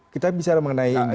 kita bisa mengenai inggris